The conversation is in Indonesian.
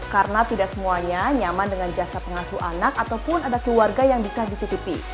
karena tidak semuanya nyaman dengan jasa pengasuh anak ataupun ada keluarga yang bisa dititipi